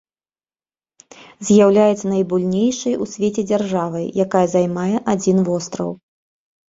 З'яўляецца найбуйнейшай у свеце дзяржавай, якая займае адзін востраў.